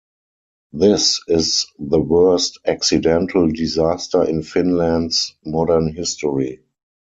This is the worst accidental disaster in Finland's modern history.